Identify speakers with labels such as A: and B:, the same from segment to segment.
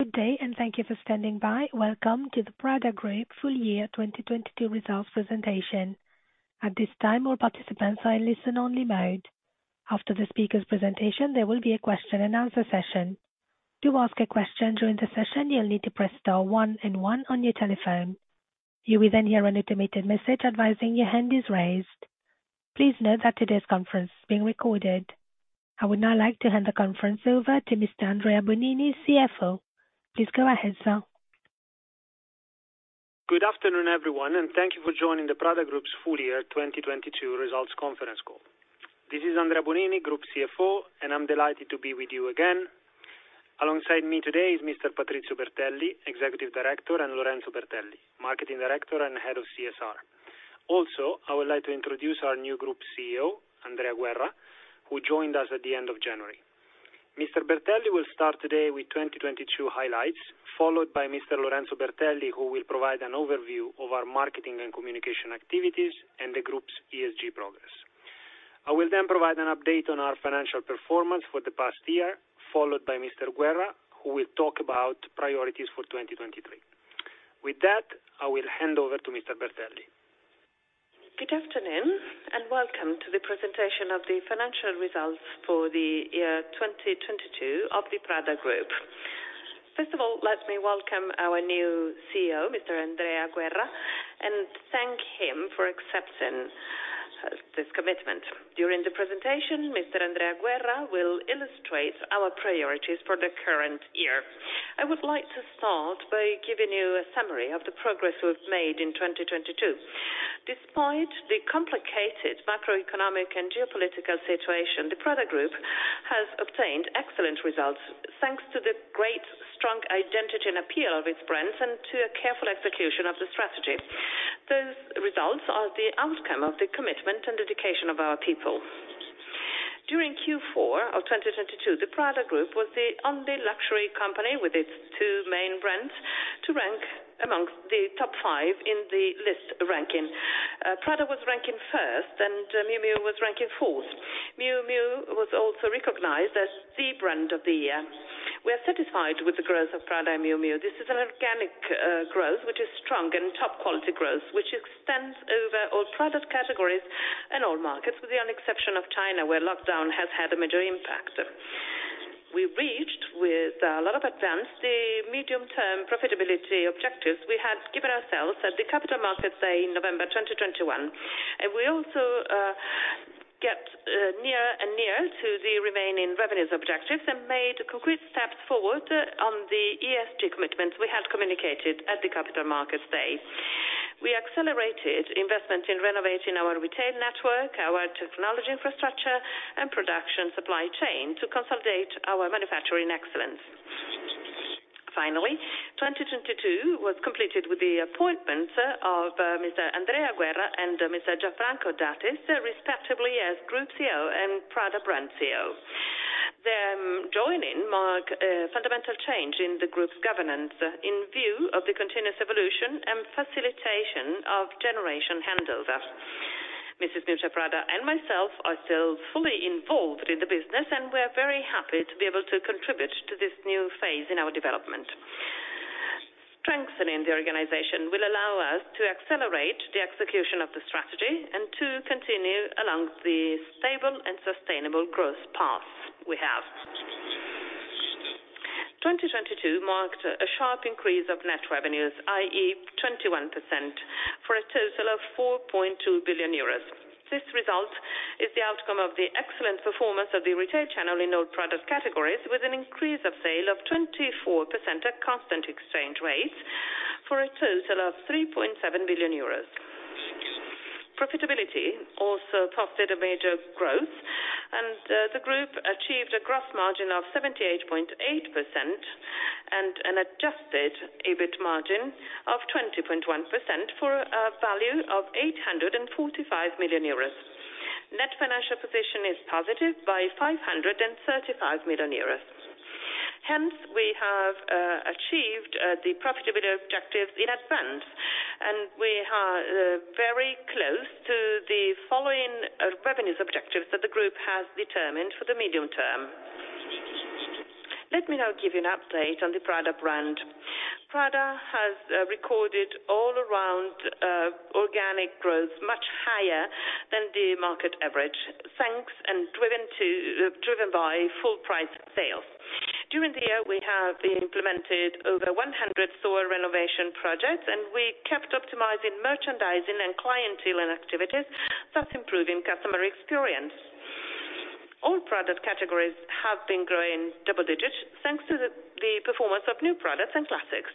A: Good day. Thank you for standing by. Welcome to the Prada Group full year 2022 results presentation. At this time, all participants are in listen only mode. After the speaker's presentation, there will be a question and answer session. To ask a question during the session, you'll need to press star one and one on your telephone. You will then hear an automated message advising your hand is raised. Please note that today's conference is being recorded. I would now like to hand the conference over to Mr. Andrea Bonini, CFO. Please go ahead, sir.
B: Good afternoon, everyone, thank you for joining the Prada Group's full year 2022 results conference call. This is Andrea Bonini, Group CFO, and I'm delighted to be with you again. Alongside me today is Mr. Patrizio Bertelli, Executive Director, and Lorenzo Bertelli, Marketing Director and Head of CSR. Also, I would like to introduce our new Group CEO, Andrea Guerra, who joined us at the end of January. Mr. Bertelli will start today with 2022 highlights, followed by Mr. Lorenzo Bertelli, who will provide an overview of our marketing and communication activities and the group's ESG progress. I will then provide an update on our financial performance for the past year, followed by Mr. Guerra, who will talk about priorities for 2023. With that, I will hand over to Mr. Bertelli.
C: Good afternoon and welcome to the presentation of the financial results for the year 2022 of the Prada Group. First of all, let me welcome our new CEO, Mr. Andrea Guerra, and thank him for accepting this commitment. During the presentation, Mr. Andrea Guerra will illustrate our priorities for the current year. I would like to start by giving you a summary of the progress we've made in 2022. Despite the complicated macroeconomic and geopolitical situation, the Prada Group has obtained excellent results, thanks to the great strong identity and appeal of its brands and to a careful execution of the strategy. Those results are the outcome of the commitment and dedication of our people. During Q4 of 2022, the Prada Group was the only luxury company with its two main brands to rank amongst the top five in the Lyst Index ranking. Prada was ranking first and Miu Miu was ranking fourth. Miu Miu was also recognized as the brand of the year. We are satisfied with the growth of Prada and Miu Miu. This is an organic growth which is strong and top quality growth, which extends over all product categories and all markets, with the only exception of China, where lockdown has had a major impact. We reached with a lot of advance the medium-term profitability objectives we had given ourselves at the Capital Markets Day in November 2021. We also get nearer and nearer to the remaining revenues objectives and made concrete steps forward on the ESG commitments we had communicated at the Capital Markets Day. We accelerated investment in renovating our retail network, our technology infrastructure and production supply chain to consolidate our manufacturing excellence. Finally, 2022 was completed with the appointments of Mr. Andrea Guerra and Mr. Gianfranco D'Attis, respectively, as Group CEO and Prada brand CEO. Them joining mark a fundamental change in the group's governance in view of the continuous evolution and facilitation of generation handover. Mrs. Miuccia Prada and myself are still fully involved in the business, and we are very happy to be able to contribute to this new phase in our development. Strengthening the organization will allow us to accelerate the execution of the strategy and to continue along the stable and sustainable growth path we have. 2022 marked a sharp increase of net revenues, i.e., 21%, for a total of 4.2 billion euros. This result is the outcome of the excellent performance of the retail channel in all product categories, with an increase of sale of 24% at constant exchange rates for a total of 3.7 billion euros. Profitability also posted a major growth, the group achieved a gross margin of 78.8% and an adjusted EBIT margin of 20.1% for a value of 845 million euros. Net financial position is positive by 535 million euros. We have achieved the profitability objectives in advance, we are very close to the following revenues objectives that the group has determined for the medium term. Let me now give you an update on the Prada brand. Prada has recorded all around organic growth much higher than the market average, thanks and driven by full price sales. During the year, we have implemented over 100 store renovation projects, and we kept optimizing merchandising and clienteling activities, thus improving customer experience. All product categories have been growing double digits, thanks to the performance of new products and classics.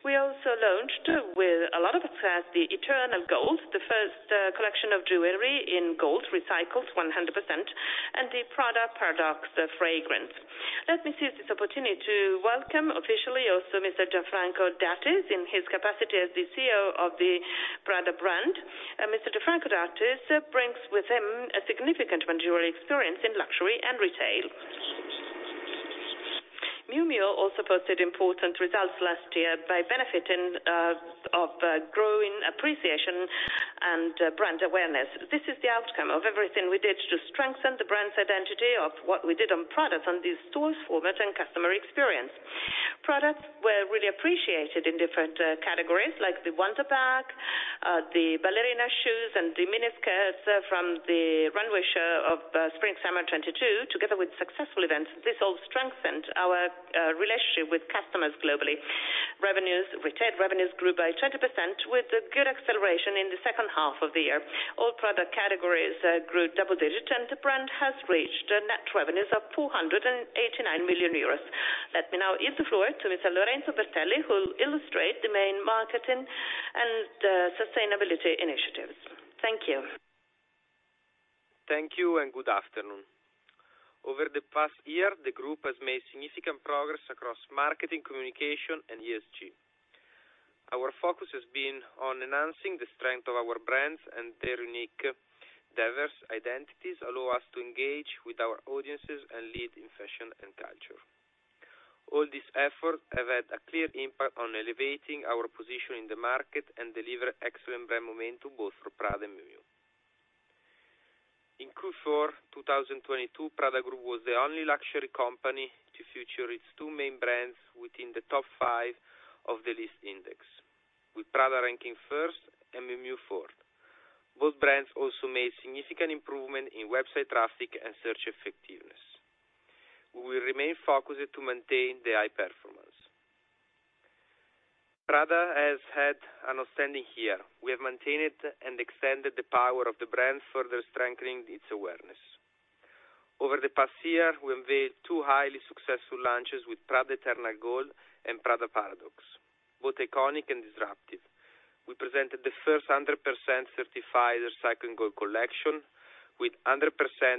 C: We also launched with a lot of success, the Eternal Gold, the first collection of jewelry in gold, recycled 100%, and the Prada Paradoxe fragrance. Let me use this opportunity to welcome officially also Mr. Gianfranco D'Attis in his capacity as the CEO of the Prada brand. Mr. Gianfranco D'Attis brings with him a significant managerial experience in luxury and retail. Miu Miu also posted important results last year by benefiting of growing appreciation and brand awareness. This is the outcome of everything we did to strengthen the brand's identity of what we did on products, on the stores format, and customer experience. Products were really appreciated in different categories like the Wander bag, the ballerina shoes, and the mini skirts from the runway show of spring/summer 2022, together with successful events. This all strengthened our relationship with customers globally. Retail revenues grew by 20% with a good acceleration in the second half of the year. All product categories grew double digits, and the brand has reached net revenues of 489 million euros. Let me now yield the floor to Mr. Lorenzo Bertelli, who will illustrate the main marketing and sustainability initiatives. Thank you.
D: Thank you and good afternoon. Over the past year, the group has made significant progress across marketing, communication, and ESG. Our focus has been on enhancing the strength of our brands and their unique diverse identities allow us to engage with our audiences and lead in fashion and culture. All these efforts have had a clear impact on elevating our position in the market and deliver excellent brand momentum, both for Prada and Miu Miu. In Q4 2022, Prada Group was the only luxury company to feature its two main brands within the top five of the Lyst Index, with Prada ranking first and Miu Miu fourth. Both brands also made significant improvement in website traffic and search effectiveness. We will remain focused to maintain the high performance. Prada has had an outstanding year. We have maintained and extended the power of the brand, further strengthening its awareness. Over the past year, we unveiled two highly successful launches with Prada Eternal Gold and Prada Paradoxe, both iconic and disruptive. We presented the first 100% certified recycled gold collection with 100%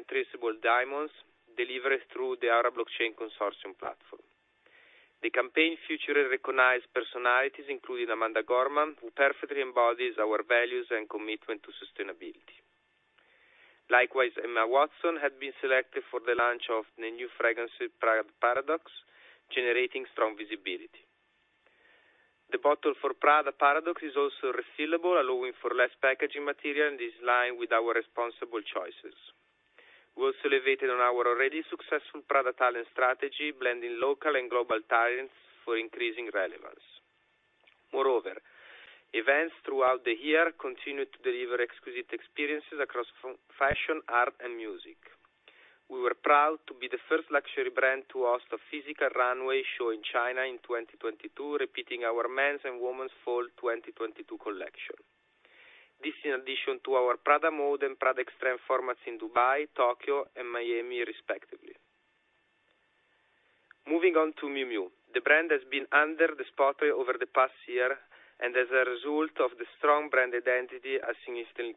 D: traceable diamonds delivered through the Aura Blockchain Consortium platform. The campaign featured recognized personalities, including Amanda Gorman, who perfectly embodies our values and commitment to sustainability. Likewise, Emma Watson had been selected for the launch of the new fragrance with Prada Paradoxe, generating strong visibility. The bottle for Prada Paradoxe is also refillable, allowing for less packaging material, and is in line with our responsible choices. We also elevated on our already successful Prada talent strategy, blending local and global talents for increasing relevance. Events throughout the year continued to deliver exquisite experiences across fashion, art, and music. We were proud to be the first luxury brand to host a physical runway show in China in 2022, repeating our men's and women's fall 2022 collection. This in addition to our Prada Mode and Prada Extreme formats in Dubai, Tokyo, and Miami, respectively. Moving on to Miu Miu. The brand has been under the spotlight over the past year, and as a result of the strong brand identity, has seen instant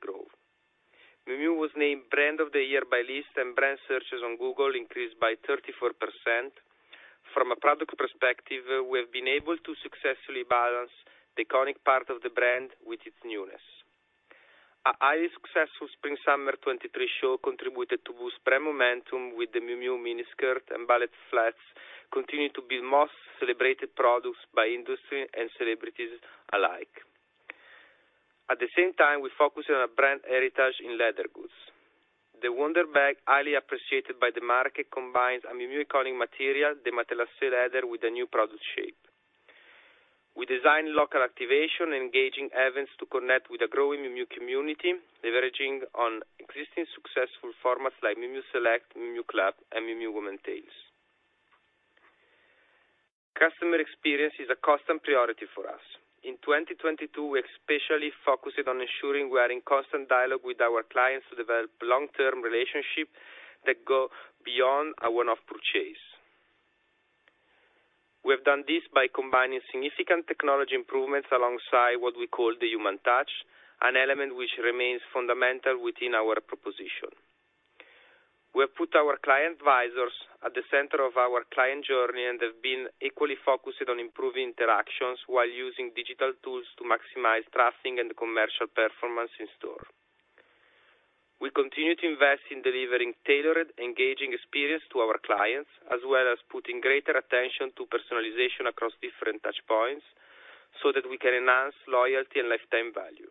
D: growth. Miu Miu was named brand of the year by Lyst, and brand searches on Google increased by 34%. From a product perspective, we have been able to successfully balance the iconic part of the brand with its newness. A highly successful spring/summer 2023 show contributed to boost brand momentum, with the Miu Miu mini skirt and ballet flats continuing to be the most celebrated products by industry and celebrities alike. At the same time we focused on our brand heritage in leather goods. The Wander bag, highly appreciated by the market, combines a Miu Miu iconic material, the matelassé leather, with a new product shape. We designed local activation, engaging events to connect with the growing Miu Miu community, leveraging on existing successful formats like Miu Miu Select, Miu Miu Club, and Miu Miu Women's Tales. Customer experience is a constant priority for us. In 2022, we especially focused on ensuring we are in constant dialogue with our clients to develop long-term relationship that go beyond a one-off purchase. We have done this by combining significant technology improvements alongside what we call the human touch, an element which remains fundamental within our proposition. We have put our client advisors at the center of our client journey and have been equally focused on improving interactions while using digital tools to maximize trusting and commercial performance in store. We continue to invest in delivering tailored, engaging experience to our clients, as well as putting greater attention to personalization across different touchpoints so that we can enhance loyalty and lifetime value.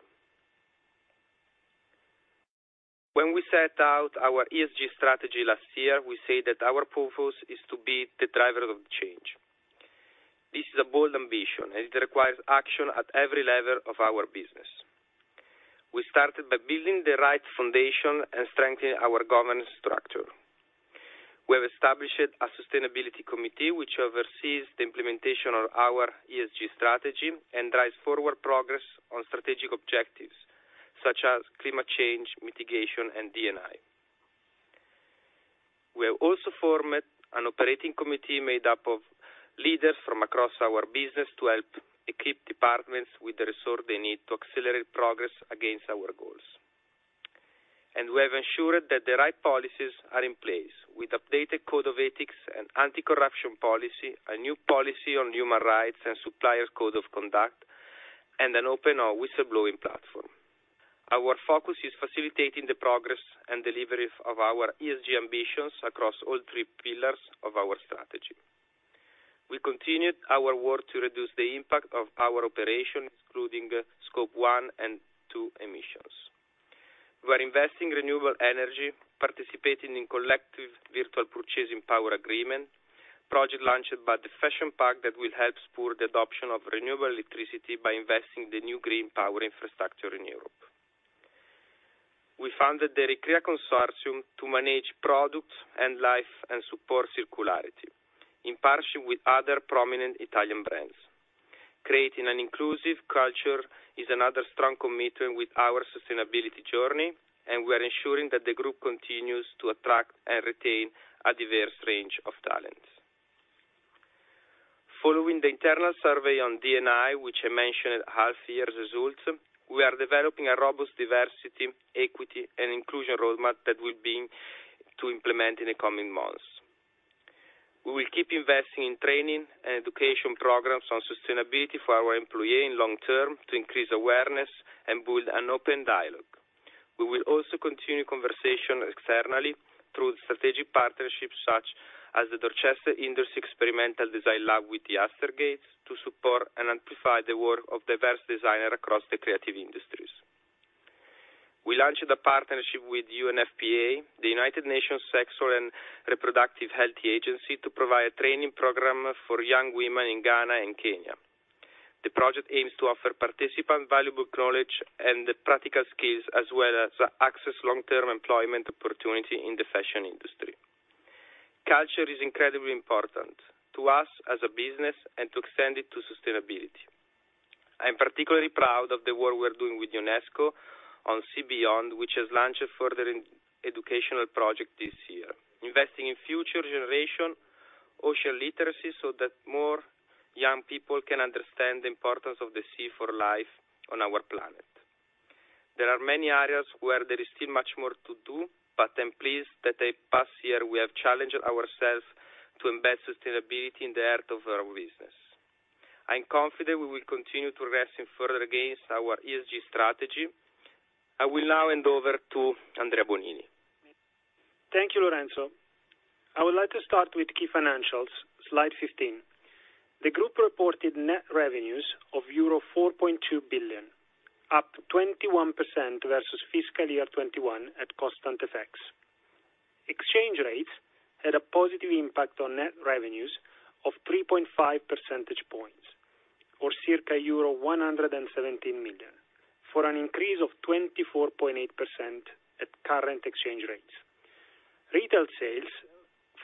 D: When we set out our ESG strategy last year, we say that our purpose is to be the driver of change. This is a bold ambition, and it requires action at every level of our business. We started by building the right foundation and strengthening our governance structure. We have established a sustainability committee which oversees the implementation of our ESG strategy and drives forward progress on strategic objectives such as climate change, mitigation, and D&I. We have also formed an operating committee made up of leaders from across our business to help equip departments with the resource they need to accelerate progress against our goals. We have ensured that the right policies are in place with updated code of ethics and anti-corruption policy, a new policy on human rights and suppliers code of conduct, and an open whistleblowing platform. Our focus is facilitating the progress and delivery of our ESG ambitions across all three pillars of our strategy. We continued our work to reduce the impact of our operation, including Scope 1 and 2 emissions. We're investing renewable energy, participating in collective virtual purchasing power agreement, project launched by The Fashion Pact that will help spur the adoption of renewable electricity by investing the new green power infrastructure in Europe. We founded the Re.Crea Consortium to manage products and life and support circularity in partnership with other prominent Italian brands. Creating an inclusive culture is another strong commitment with our sustainability journey, and we are ensuring that the group continues to attract and retain a diverse range of talents. Following the internal survey on D&I, which I mentioned at half year results, we are developing a robust diversity, equity, and inclusion roadmap that we'll be to implement in the coming months. We will keep investing in training and education programs on sustainability for our employees in long term to increase awareness and build an open dialogue. We will also continue conversation externally through strategic partnerships such as the Dorchester Industries Experimental Design Lab with Theaster Gates to support and amplify the work of diverse designers across the creative industries. We launched a partnership with UNFPA, the United Nations Sexual and Reproductive Health Agency, to provide training program for young women in Ghana and Kenya. The project aims to offer participants valuable knowledge and the practical skills, as well as access long-term employment opportunity in the fashion industry. Culture is incredibly important to us as a business and to extend it to sustainability. I am particularly proud of the work we're doing with UNESCO on SEA BEYOND, which has launched further educational project this year, investing in future generation ocean literacy so that more young people can understand the importance of the sea for lifer planet. There are many areas where there are too much two two, but I'm pleased that the past year we have challenged ourselves to embed sustainability in the heart of our business. I am confident we will continue progressing further against our ESG strategy. I will now hand over to Andrea Bonini.
B: Thank you, Lorenzo. I would like to start with key financials. Slide 15. The group reported net revenues of euro 4.2 billion, up to 21% versus fiscal year 2021 at constant FX. Exchange rates had a positive impact on net revenues of 3.5 percentage points, or circa euro 117 million, for an increase of 24.8% at current exchange rates. Retail sales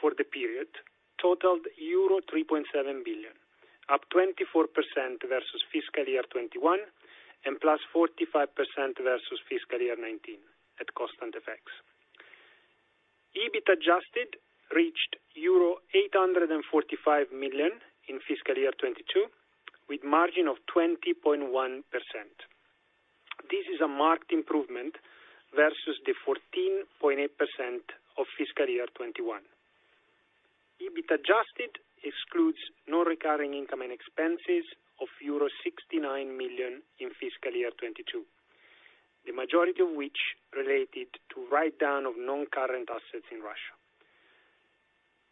B: for the period totaled euro 3.7 billion, up 24% versus fiscal year 2021, and +45% versus fiscal year 2019 at constant FX. EBIT adjusted reached euro 845 million in fiscal year 2022, with margin of 20.1%. This is a marked improvement versus the 14.8% of fiscal year 2021. EBIT adjusted excludes non-recurring income and expenses of euro 69 million in fiscal year 2022, the majority of which related to write down of non-current assets in Russia.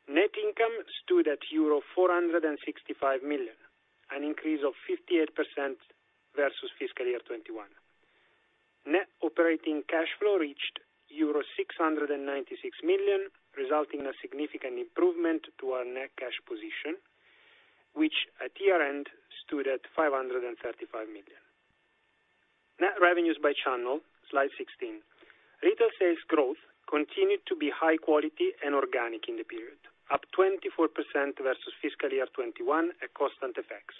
B: Net income stood at euro 465 million, an increase of 58% versus fiscal year 2021. Net operating cash flow reached euro 696 million, resulting in a significant improvement to our net cash position, which at year-end stood at 535 million. Net revenues by channel, Slide 16. Retail sales growth continued to be high quality and organic in the period, up 24% versus fiscal year 2021 at constant FX,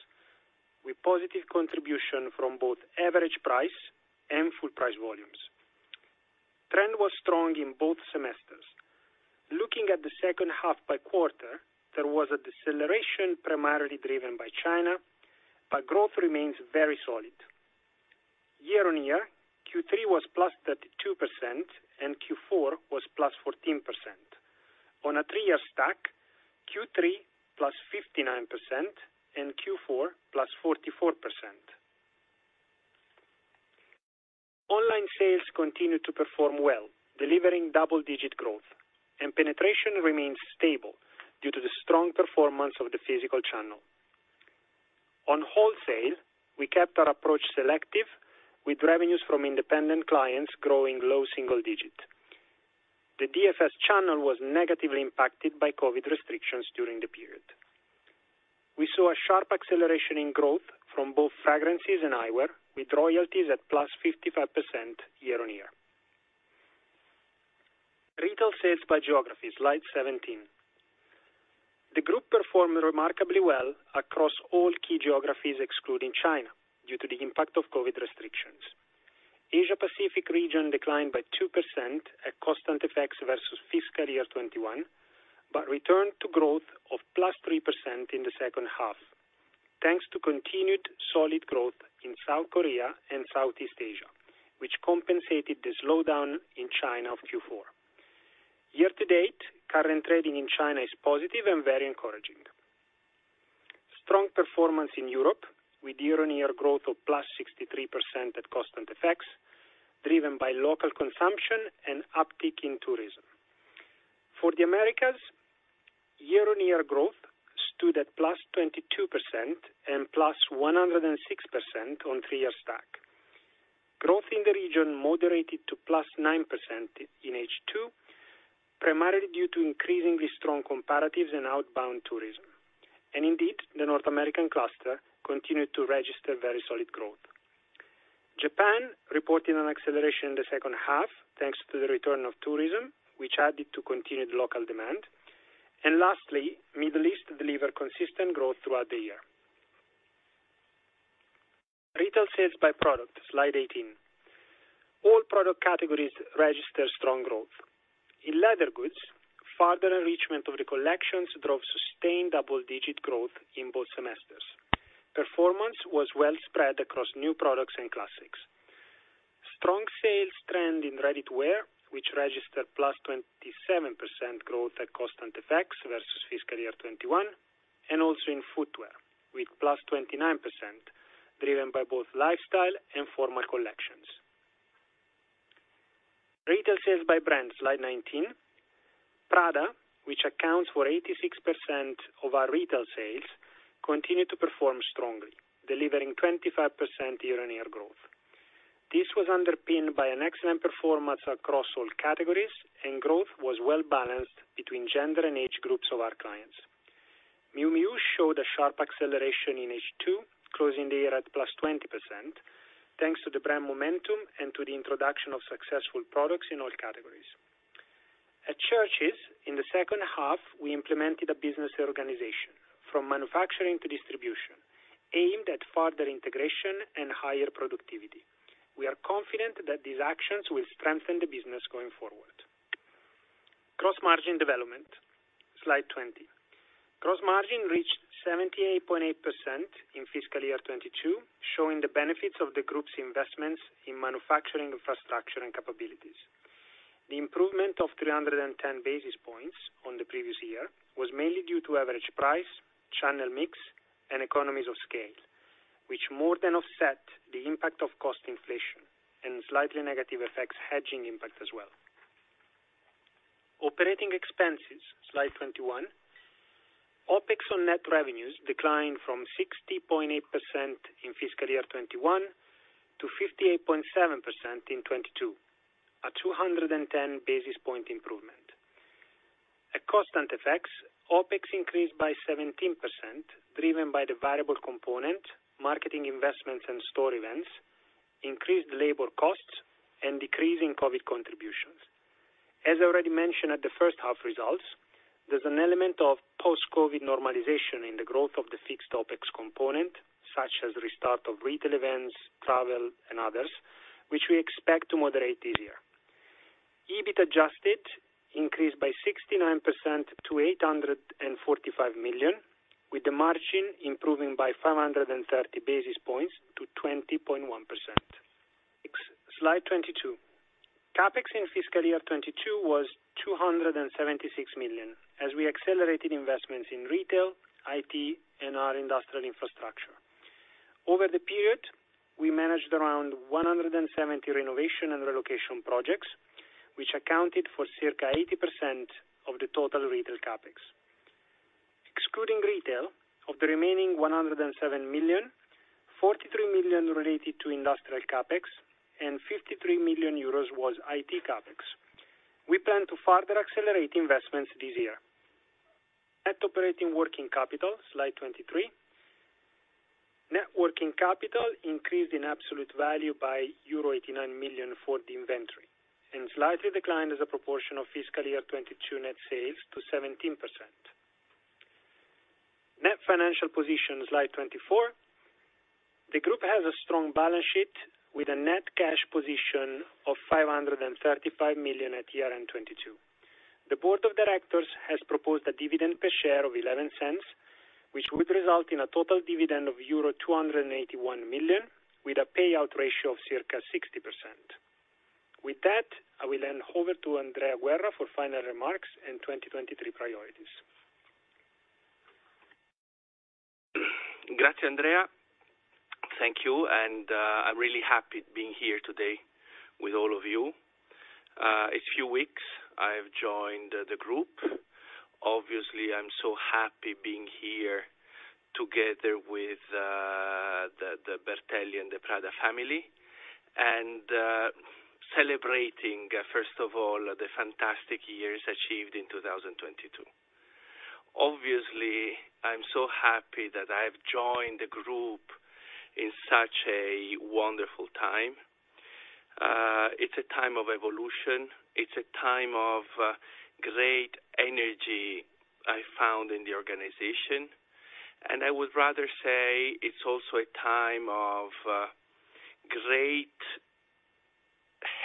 B: with positive contribution from both average price and full price volumes. Trend was strong in both semesters. Looking at the second half by quarter, there was a deceleration primarily driven by China. Growth remains very solid. Year-on-year, Q3 was +32% and Q4 was +14%. On a three-year stack, Q3 +59% and Q4 +44%. Online sales continued to perform well, delivering double-digit growth, and penetration remains stable due to the strong performance of the physical channel. On wholesale, we kept our approach selective with revenues from independent clients growing low single digit. The DFS channel was negatively impacted by COVID restrictions during the period. We saw a sharp acceleration in growth from both fragrances and eyewear, with royalties at +55% year-on-year. Retail sales by geography, Slide 17. The group performed remarkably well across all key geographies excluding China due to the impact of COVID restrictions. Asia Pacific region declined by 2% at constant FX versus fiscal year 2021, returned to growth of +3% in the second half, thanks to continued solid growth in South Korea and Southeast Asia, which compensated the slowdown in China of Q4. Year-to-date, current trading in China is positive and very encouraging. Strong performance in Europe with year-on-year growth of +63% at constant FX, driven by local consumption and uptick in tourism. For the Americas, year-on-year growth stood at +22% and +106% on three-year stack. Growth in the region moderated to +9% in H2, primarily due to increasingly strong comparatives and outbound tourism. Indeed, the North American cluster continued to register very solid growth. Japan reported an acceleration in the second half thanks to the return of tourism, which added to continued local demand. Lastly, Middle East delivered consistent growth throughout the year. Retail sales by product, Slide 18. All product categories registered strong growth. In leather goods, further enrichment of the collections drove sustained double-digit growth in both semesters. Performance was well spread across new products and classics. Strong sales trend in ready-to-wear, which registered +27% growth at constant FX versus fiscal year 2021, and also in footwear, with +29%, driven by both lifestyle and formal collections. Retail sales by brand, Slide 19. Prada, which accounts for 86% of our retail sales, continued to perform strongly, delivering 25% year-on-year growth. This was underpinned by an excellent performance across all categories, and growth was well balanced between gender and age groups of our clients. Miu Miu showed a sharp acceleration in H2, closing the year at +20%, thanks to the brand momentum and to the introduction of successful products in all categories. At Church's, in the second half, we implemented a business reorganization from manufacturing to distribution, aimed at further integration and higher productivity. We are confident that these actions will strengthen the business going forward. Gross margin development, Slide 20. Gross margin reached 78.8% in fiscal year 2022, showing the benefits of the group's investments in manufacturing infrastructure and capabilities. The improvement of 310 basis points on the previous year was mainly due to average price, channel mix, and economies of scale, which more than offset the impact of cost inflation and slightly negative FX hedging impact as well. Operating expenses, Slide 21. OpEx on net revenues declined from 60.8% in fiscal year 2021 to 58.7% in 2022, a 210 basis point improvement. At constant FX, OpEx increased by 17%, driven by the variable component, marketing investments and store events, increased labor costs, and decreasing COVID contributions. As I already mentioned at the first half results, there's an element of post-COVID normalization in the growth of the fixed OpEx component, such as restart of retail events, travel, and others, which we expect to moderate this year. EBIT adjusted increased by 69% to 845 million, with the margin improving by 530 basis points to 20.1%. Slide 22. CapEx in fiscal year 2022 was 276 million as we accelerated investments in retail, IT, and our industrial infrastructure. Over the period, we managed around 170 renovation and relocation projects, which accounted for circa 80% of the total retail CapEx. Excluding retail, of the remaining 107 million, 43 million related to industrial CapEx and 53 million euros was IT CapEx. We plan to further accelerate investments this year. Net operating working capital, Slide 23. Net working capital increased in absolute value by euro 89 million for the inventory and slightly declined as a proportion of fiscal year 2022 net sales to 17%. Net financial position, Slide 24. The group has a strong balance sheet with a net cash position of 535 million at year-end 2022. The board of directors has proposed a dividend per share of 0.11, which would result in a total dividend of euro 281 million, with a payout ratio of circa 60%. With that, I will hand over to Andrea Guerra for final remarks and 2023 priorities.
E: Grazie, Andrea. Thank you, and I'm really happy being here today with all of you. A few weeks I have joined the group. Obviously, I'm so happy being here together with the Bertelli and the Prada family, and celebrating first of all, the fantastic years achieved in 2022. Obviously, I'm so happy that I've joined the group in such a wonderful time. It's a time of evolution. It's a time of great energy I found in the organization. I would rather say it's also a time of great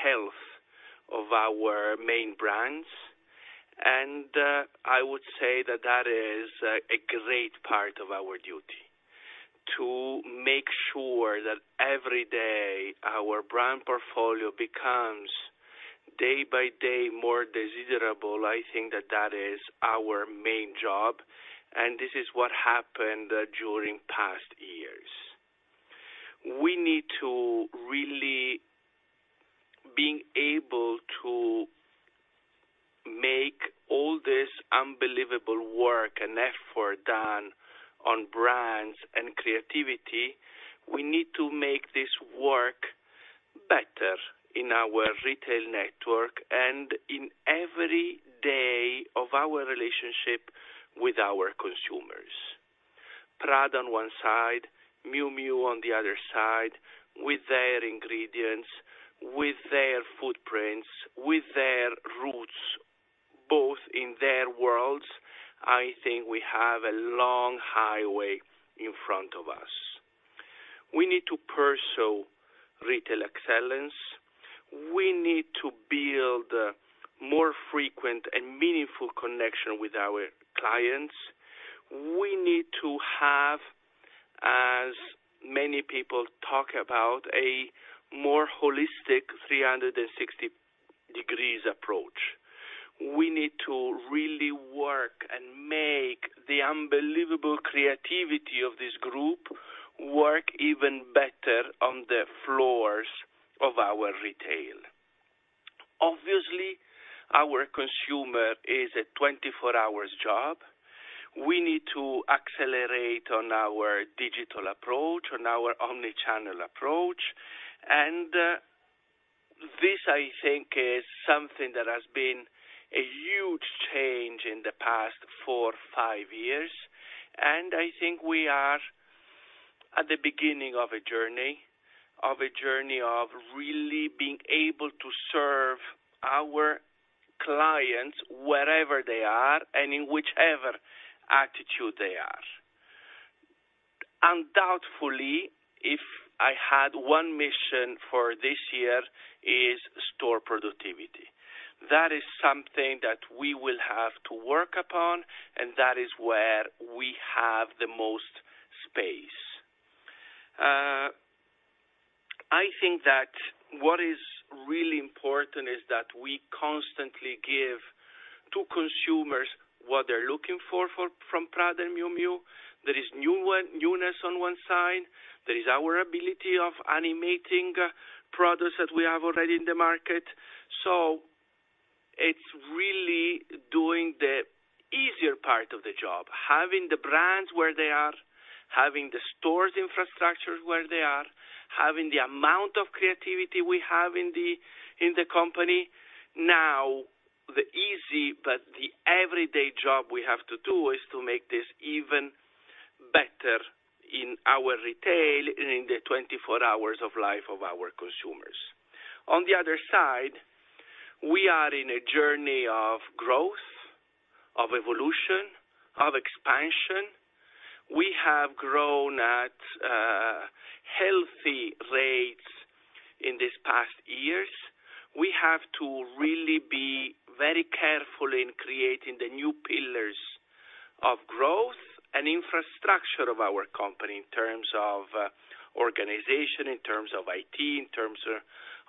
E: health of our main brands. I would say that that is a great part of our duty to make sure that every day our brand portfolio becomes day by day more desirable. I think that that is our main job, and this is what happened during past years. We need to really being able to make all this unbelievable work and effort done on brands and creativity. We need to make this work better in our retail network and in every day of our relationship with our consumers. Prada on one side, Miu Miu on the other side, with their ingredients, with their footprints, with their roots, both in their worlds, I think we have a long highway in front of us. We need to pursue retail excellence. We need to build more frequent and meaningful connection with our clients. We need to have, as many people talk about, a more holistic 360 degrees approach. We need to really work and make the unbelievable creativity of this group work even better on the floors of our retail. Obviously, our consumer is a 24 hours job. We need to accelerate on our digital approach, on our omni-channel approach. This, I think, is something that has been a huge change in the past four, five years, and I think we are at the beginning of a journey of really being able to serve our clients wherever they are and in whichever attitude they are. Undoubtfully, if I had one mission for this year, is store productivity. That is something that we will have to work upon, and that is where we have the most space. I think that what is really important is that we constantly give to consumers what they're looking for from Prada and Miu Miu. There is newness on one side. There is our ability of animating products that we have already in the market. It's really doing the easier part of the job, having the brands where they are, having the stores infrastructure where they are, having the amount of creativity we have in the company. Now, the easy but the everyday job we have to do is to make this even better in our retail, in the 24 hours of life of our consumers. On the other side, we are in a journey of growth, of evolution, of expansion. We have grown at healthy rates in these past years. We have to really be very careful in creating the new pillars of growth and infrastructure of our company in terms of organization, in terms of IT, in terms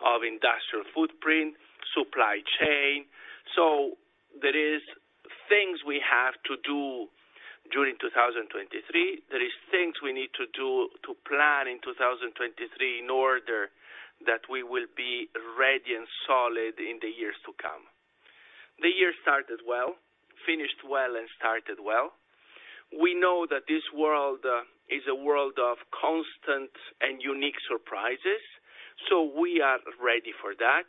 E: of industrial footprint, supply chain. There is things we have to do during 2023. There is things we need to do to plan in 2023 in order that we will be ready and solid in the years to come. The year started well, finished well and started well. We know that this world is a world of constant and unique surprises. We are ready for that.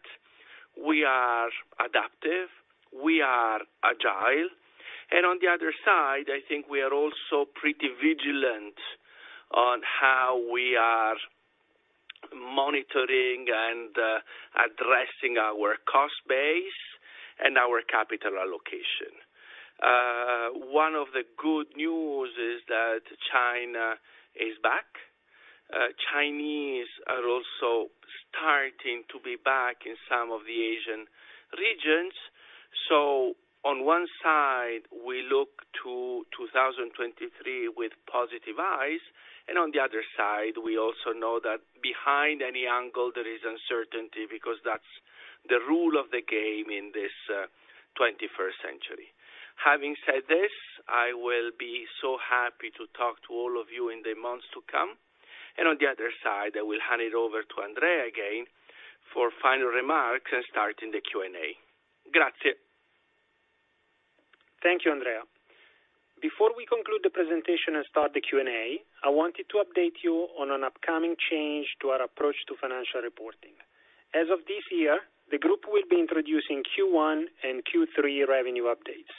E: We are adaptive, we are agile. On the other side, I think we are also pretty vigilant on how we are monitoring and addressing our cost base and our capital allocation. One of the good news is that China is back. Chinese are also starting to be back in some of the Asian regions. On one side, we look to 2023 with positive eyes, and on the other side, we also know that behind any angle there is uncertainty because that's the rule of the game in this 21st century. Having said this, I will be so happy to talk to all of you in the months to come. On the other side, I will hand it over to Andrea again for final remarks and starting the Q&A. Grazie.
B: Thank you, Andrea. Before we conclude the presentation and start the Q&A, I wanted to update you on an upcoming change to our approach to financial reporting. As of this year, the group will be introducing Q1 and Q3 revenue updates.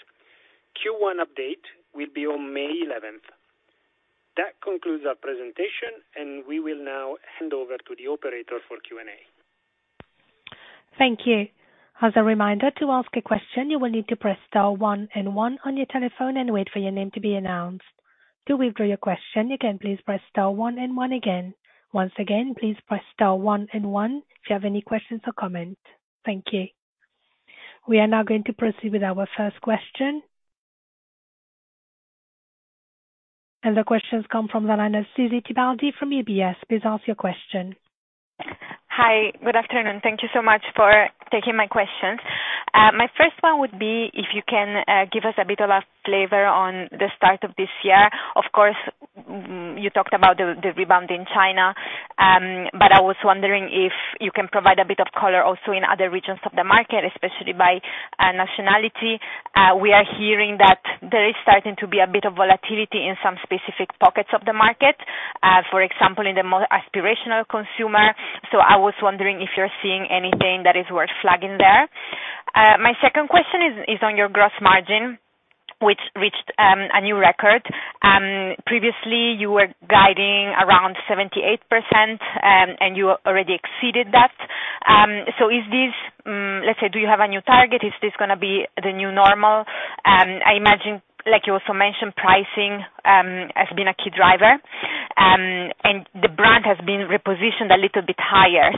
B: Q1 update will be on May 11th. That concludes our presentation, and we will now hand over to the operator for Q&A.
A: Thank you. As a reminder, to ask a question, you will need to press star one and one on your telephone and wait for your name to be announced. To withdraw your question, you can please press star one and one again. Once again, please press star one and one if you have any questions or comments. Thank you. We are now going to proceed with our first question. The question's come from the line of Susy Tibaldi from UBS. Please ask your question.
F: Hi. Good afternoon. Thank you so much for taking my questions. My first one would be if you can give us a bit of a flavor on the start of this year. Of course, you talked about the rebound in China, but I was wondering if you can provide a bit of color also in other regions of the market, especially by nationality. We are hearing that there is starting to be a bit of volatility in some specific pockets of the market, for example, in the aspirational consumer. I was wondering if you're seeing anything that is worth flagging there. My second question is on your gross margin, which reached a new record. Previously, you were guiding around 78%, and you already exceeded that. Is this... Let's say, do you have a new target? Is this gonna be the new normal? I imagine, like you also mentioned, pricing has been a key driver, and the brand has been repositioned a little bit higher.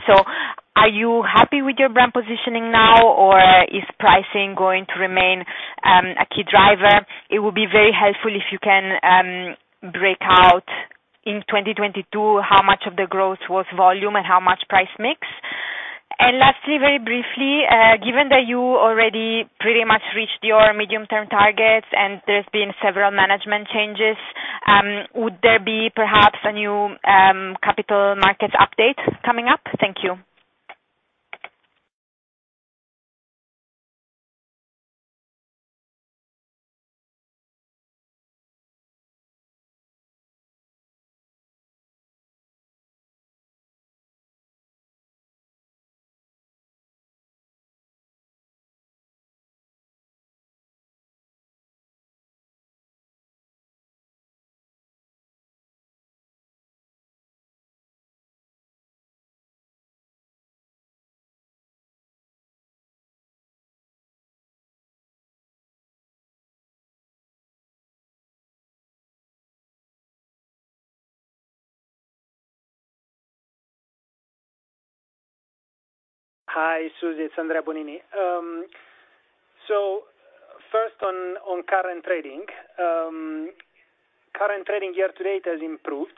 F: Are you happy with your brand positioning now, or is pricing going to remain a key driver? It would be very helpful if you can break out in 2022 how much of the growth was volume and how much price mix. Lastly, very briefly, given that you already pretty much reached your medium-term targets and there's been several management changes, would there be perhaps a new capital markets update coming up? Thank you.
B: Hi, Susy. It's Andrea Bonini. First on current trading. Current trading year-to-date has improved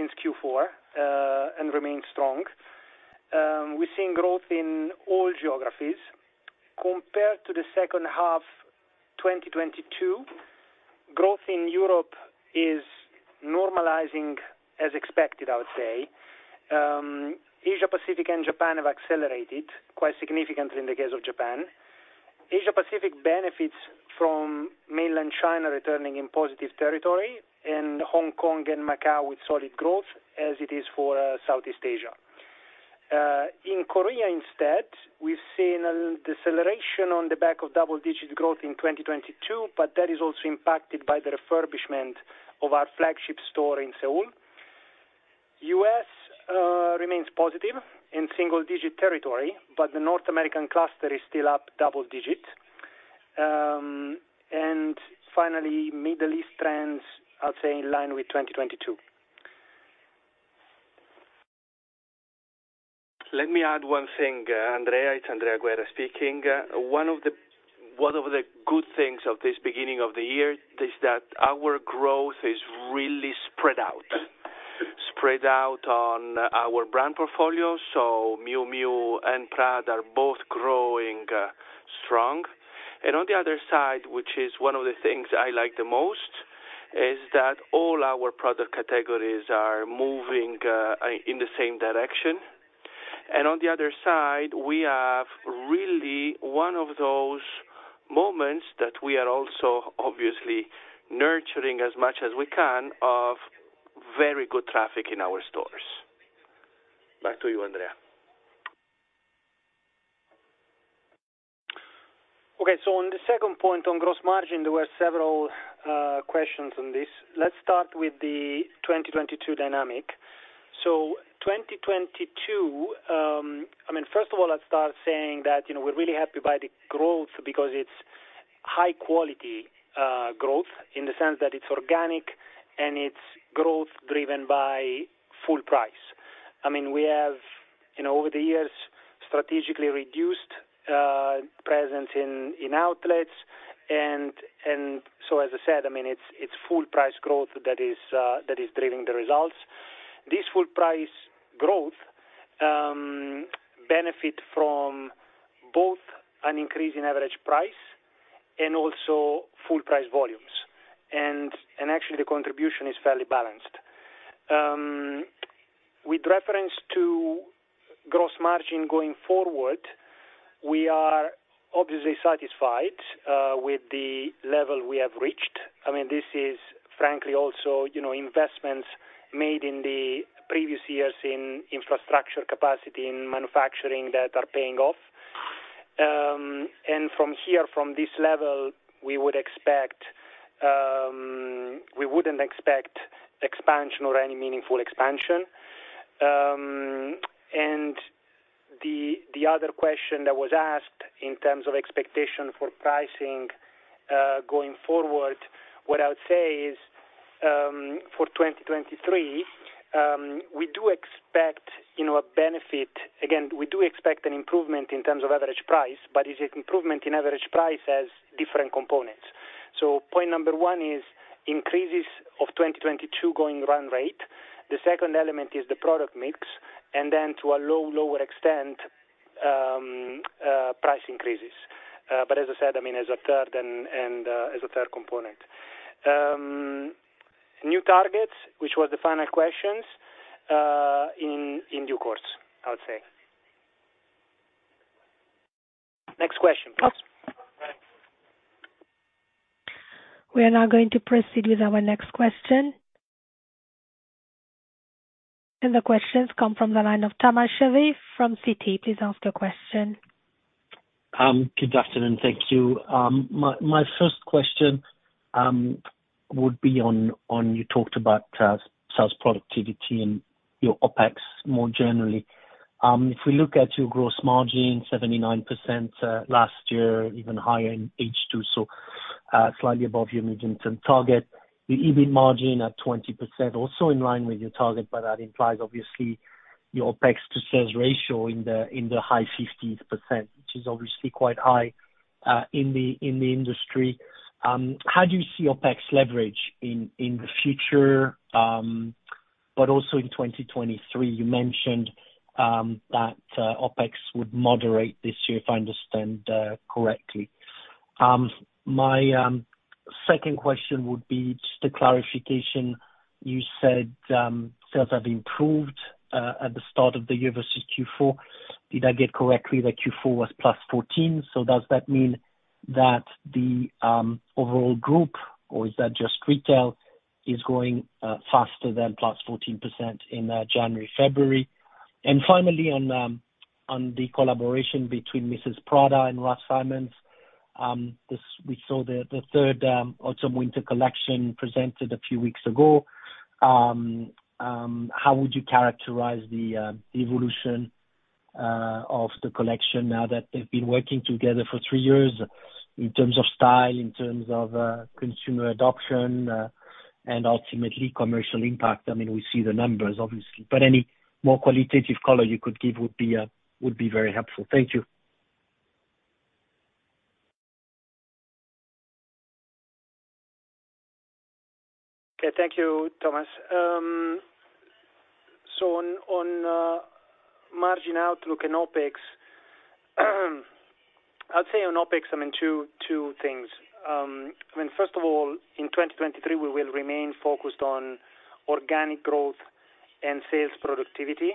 B: since Q4 and remains strong. We're seeing growth in all geographies. Compared to the second half 2022, growth in Europe is normalizing as expected, I would say. Asia-Pacific and Japan have accelerated quite significantly in the case of Japan. Asia-Pacific benefits from Mainland China returning in positive territory, and Hong Kong and Macau with solid growth as it is for Southeast Asia. In Korea instead, we've seen a deceleration on the back of double-digit growth in 2022, but that is also impacted by the refurbishment of our flagship store in Seoul. U.S. remains positive in single digit territory, but the North American cluster is still up double digit. Finally, Middle East trends, I'll say in line with 2022.
E: Let me add one thing, Andrea. It's Andrea Guerra speaking. One of the good things of this beginning of the year is that our growth is really spread out. Spread out on our brand portfolio, Miu Miu and Prada are both growing strong. On the other side, which is one of the things I like the most, is that all our product categories are moving in the same direction. On the other side, we have really one of those moments that we are also obviously nurturing as much as we can of very good traffic in our stores. Back to you, Andrea.
B: On the second point on gross margin, there were several questions on this. Let's start with the 2022 dynamic. 2022, I mean, first of all, I'd start saying that, you know, we're really happy by the growth because it's high quality, growth in the sense that it's organic and it's growth driven by full price. I mean, we have, you know, over the years, strategically reduced, presence in outlets and so as I said, I mean, it's full price growth that is driving the results. This full price growth, benefit from both an increase in average price and also full price volumes. Actually, the contribution is fairly balanced. With reference to gross margin going forward, we are obviously satisfied, with the level we have reached. I mean, this is frankly also, you know, investments made in the previous years in infrastructure capacity, in manufacturing that are paying off. From here, from this level, we would expect... we wouldn't expect expansion or any meaningful expansion. The other question that was asked in terms of expectation for pricing going forward, what I would say is, for 2023, we do expect, you know, a benefit. Again, we do expect an improvement in terms of average price, but it's improvement in average price as different components. Point number one is increases of 2022 going run rate. The second element is the product mix, and then to a low, lower extent, price increases. As I said, I mean, as a third and as a third component. New targets, which were the final questions, in due course, I would say. Next question, please.
A: We are now going to proceed with our next question. The question's come from the line of Thomas Chauvet from Citi. Please ask your question.
G: Good afternoon. Thank you. My first question would be on you talked about sales productivity and your OpEx more generally. If we look at your gross margin, 79% last year, even higher in H2, so, slightly above your mid-term target. The EBIT margin at 20%, also in line with your target, but that implies obviously your OpEx to sales ratio in the high 50%, which is obviously quite high in the industry. How do you see OpEx leverage in the future, but also in 2023? You mentioned that OpEx would moderate this year, if I understand correctly. My second question would be just a clarification. You said sales have improved at the start of the year versus Q4. Did I get correctly that Q4 was +14%? Does that mean that the overall group, or is that just retail, is growing faster than +14% in January, February? Finally, on the collaboration between Mrs. Prada and Raf Simons, We saw the third autumn/winter collection presented a few weeks ago. How would you characterize the evolution of the collection now that they've been working together for three years in terms of style, in terms of consumer adoption, and ultimately commercial impact? I mean, we see the numbers obviously, but any more qualitative color you could give would be very helpful. Thank you.
B: Okay. Thank you, Thomas. On margin outlook and OpEx, I'd say on OpEx, two things. First of all, in 2023, we will remain focused on organic growth and sales productivity.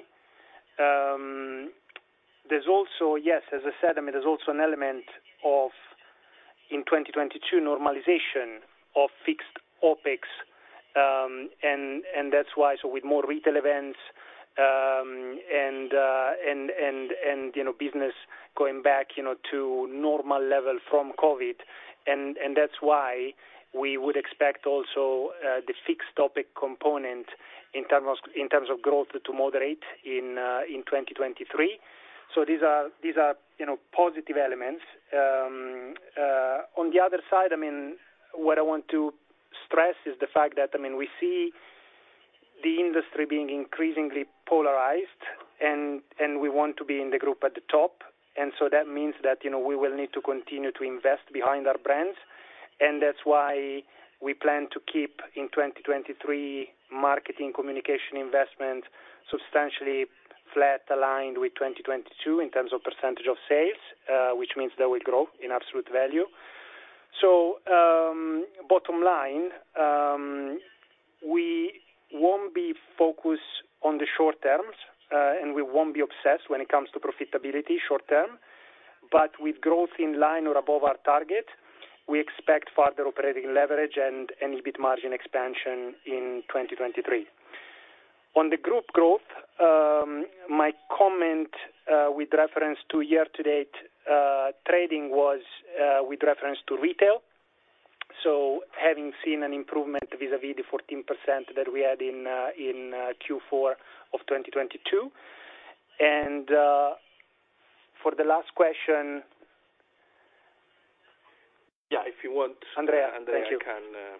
B: Yes, as I said, there's also an element of, in 2022, normalization of fixed OpEx. That's why with more retail events, and, you know, business going back, you know, to normal level from COVID. That's why we would expect also the fixed OpEx component in terms of growth to moderate in 2023. These are, you know, positive elements. On the other side, what I want to stress is the fact that we see the industry being increasingly polarized, and we want to be in the group at the top. That means that, you know, we will need to continue to invest behind our brands. That's why we plan to keep, in 2023, marketing communication investment substantially flat aligned with 2022 in terms of percentage of sales, which means they will grow in absolute value. Bottom line, we won't be focused on the short terms, we won't be obsessed when it comes to profitability short term. With growth in line or above our target, we expect further operating leverage and EBIT margin expansion in 2023. On the group growth, my comment, with reference to year-to-date, trading was, with reference to retail. Having seen an improvement vis-à-vis the 14% that we had in, Q4 of 2022. For the last question.
E: Yeah.
B: Andrea, thank you.
E: Andrea,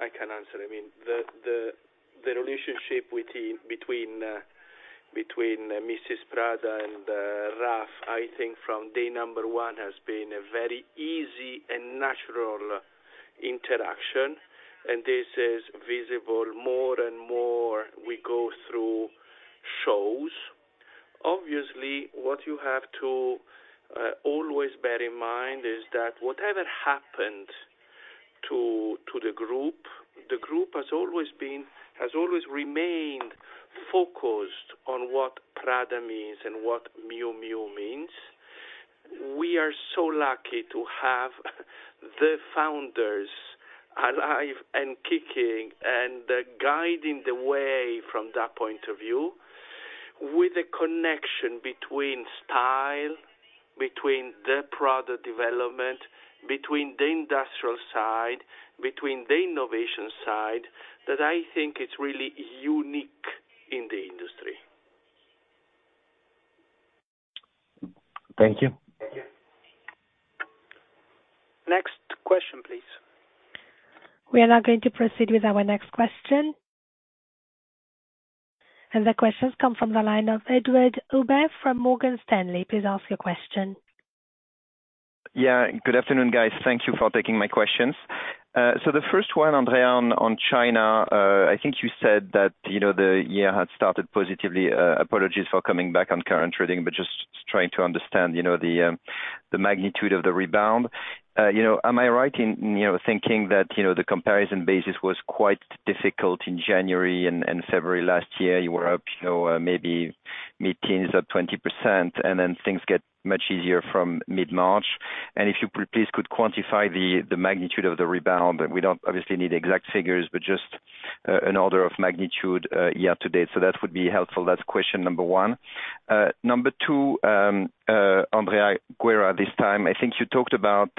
E: I can answer. I mean, the relationship between Mrs. Prada and Raf, I think from day one has been a very easy and natural interaction. This is visible more and more we go through shows. Obviously, what you have to always bear in mind is that whatever happened to the group, the group has always remained focused on what Prada means and what Miu Miu means. We are so lucky to have the founders alive and kicking and guiding the way from that point of view with a connection between style, between the product development, between the industrial side, between the innovation side, that I think it's really unique in the industry.
G: Thank you.
B: Next question, please.
A: We are now going to proceed with our next question. The questions come from the line of Edouard Aubin from Morgan Stanley. Please ask your question.
H: Good afternoon, guys. Thank you for taking my questions. The first one, Andrea, on China, I think you said that, you know, the year had started positively. Apologies for coming back on current trading, but just trying to understand, you know, the magnitude of the rebound. You know, am I right in, you know, thinking that, you know, the comparison basis was quite difficult in January and February last year, you were up, you know, maybe mid-teens or 20%, and then things get much easier from mid-March. If you please could quantify the magnitude of the rebound. We don't obviously need exact figures, but just an order of magnitude year-to-date. That would be helpful. That's question number one. Number two, Andrea Guerra this time. I think you talked about,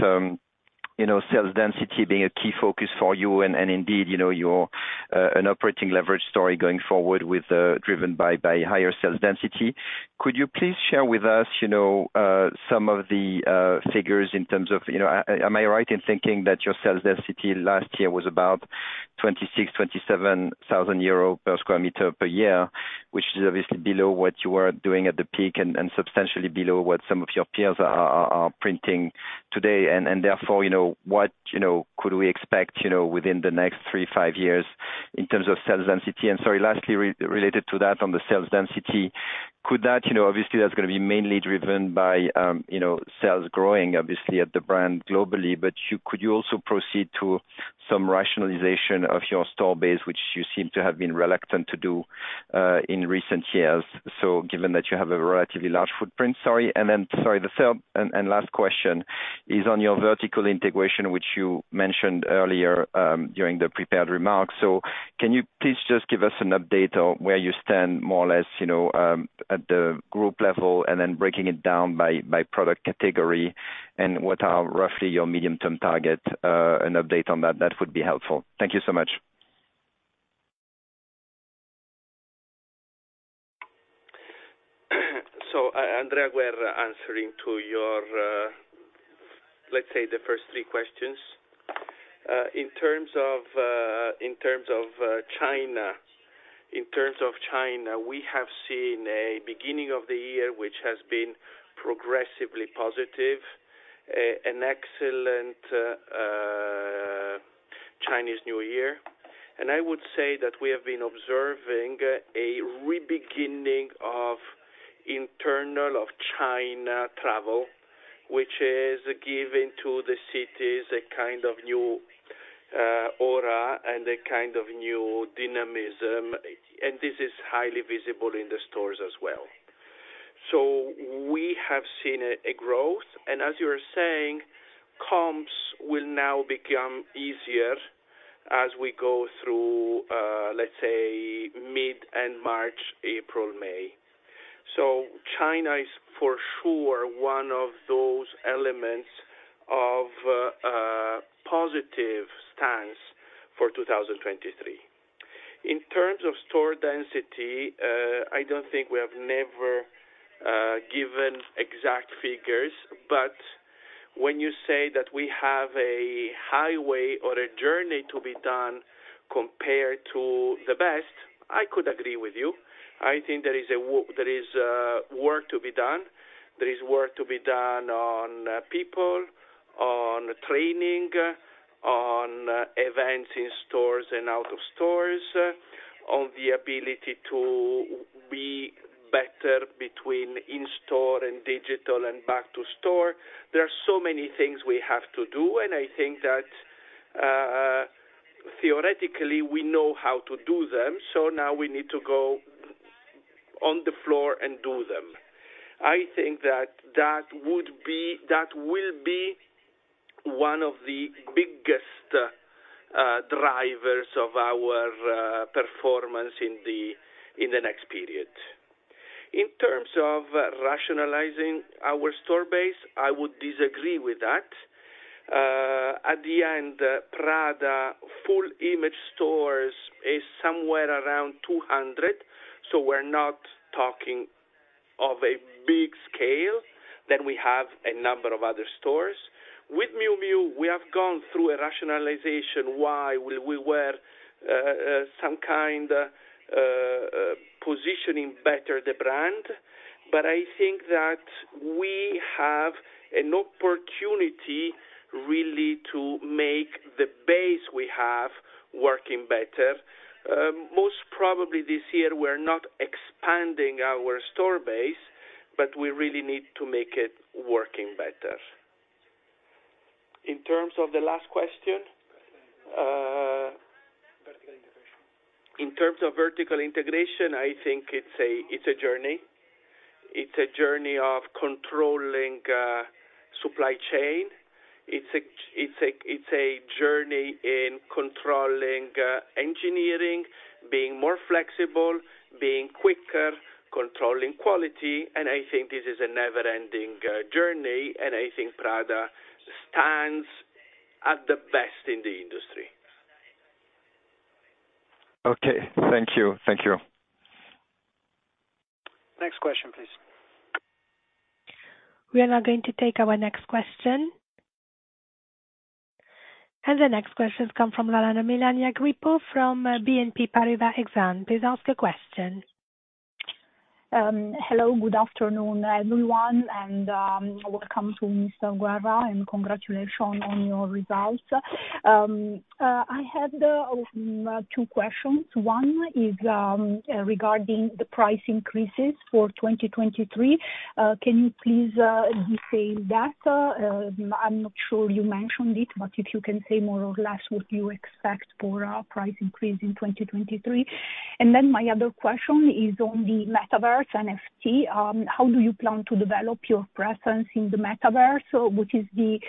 H: you know, sales density being a key focus for you, and indeed, you know, your an operating leverage story going forward with the driven by higher sales density. Could you please share with us, you know, some of the figures in terms of, you know, am I right in thinking that your sales density last year was about 26,000-27,000 euros per sq m per year, which is obviously below what you were doing at the peak and substantially below what some of your peers are printing today? Therefore, you know, what, you know, could we expect, you know, within the next three to five years in terms of sales density? Sorry, lastly, related to that on the sales density, could that, you know, obviously, that's gonna be mainly driven by, you know, sales growing, obviously, at the brand globally. Could you also proceed to some rationalization of your store base, which you seem to have been reluctant to do in recent years? Given that you have a relatively large footprint. Sorry. Sorry, the third and last question is on your vertical integration, which you mentioned earlier during the prepared remarks. Can you please just give us an update on where you stand more or less, you know, at the group level and then breaking it down by product category and what are roughly your medium-term target, an update on that. That would be helpful. Thank you so much.
E: Andrea Guerra answering to your, let's say, the first three questions. In terms of, in terms of China, in terms of China, we have seen a beginning of the year which has been progressively positive, an excellent Chinese New Year. I would say that we have been observing a rebeginning of internal, of China travel, which is giving to the cities a kind of new aura and a kind of new dynamism, and this is highly visible in the stores as well. We have seen a growth, and as you were saying, comps will now become easier as we go through, let's say, mid and March, April, May. China is for sure one of those elements of positive stance for 2023. In terms of store density, I don't think we have never given exact figures. When you say that we have a highway or a journey to be done compared to the best, I could agree with you. I think there is work to be done. There is work to be done on people, on training, on events in stores and out of stores, on the ability to be better between in-store and digital and back to store. There are so many things we have to do. I think that theoretically, we know how to do them. Now we need to go on the floor and do them. I think that will be one of the biggest drivers of our performance in the next period. In terms of rationalizing our store base, I would disagree with that. At the end, Prada full image stores is somewhere around 200, so we're not talking of a big scale. We have a number of other stores. With Miu Miu, we have gone through a rationalization while we were positioning better the brand. I think that we have an opportunity really to make the base we have working better. Most probably this year we're not expanding our store base, but we really need to make it working better. In terms of the last question,
H: Vertical integration.
E: In terms of vertical integration, I think it's a journey. It's a journey of controlling supply chain. It's a journey in controlling engineering, being more flexible, being quicker, controlling quality. I think this is a never-ending journey, and I think Prada stands at the best in the industry.
H: Okay. Thank you. Thank you.
A: Next question, please. We are now going to take our next question. The next question comes from Melania Grippo from Exane BNP Paribas. Please ask a question.
I: Hello, good afternoon, everyone, welcome to Mr. Guerra, and congratulations on your results. I had two questions. One is regarding the price increases for 2023. Can you please detail that? I'm not sure you mentioned it, but if you can say more or less what you expect for a price increase in 2023. My other question is on the Metaverse NFT. How do you plan to develop your presence in the Metaverse? What is the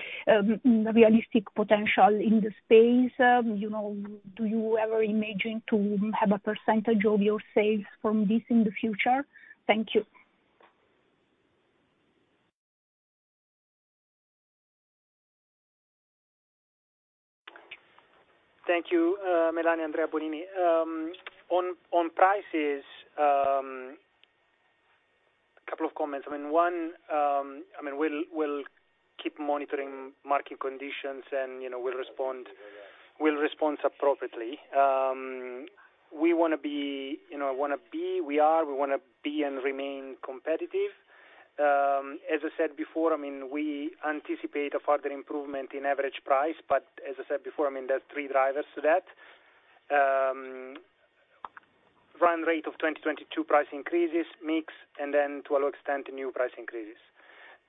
I: realistic potential in the space? You know, do you ever imagine to have a percentage of your sales from this in the future? Thank you.
B: Thank you, Melania. Andrea Bonini. On prices, couple of comments. I mean, one, I mean, we'll keep monitoring market conditions, and, you know, we'll respond appropriately. We wanna be, you know, and remain competitive. As I said before, I mean, we anticipate a further improvement in average price, as I said before, I mean, there are three drivers to that. Run rate of 2022 price increases, mix, and then to a extent, new price increases.